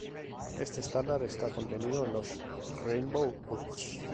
Este estándar está contenido en los Rainbow Books.